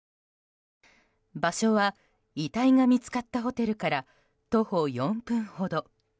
場所は遺体が見つかったホテルから、徒歩４分ほど。